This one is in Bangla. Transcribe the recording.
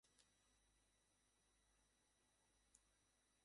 ওর স্কোয়াডে না থাকার কারণটি বাইরে থেকে সত্যিই বোঝার উপায় নেই।